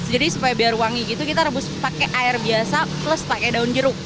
jadi supaya biar wangi gitu kita rebus pakai air biasa plus pakai daun jeruk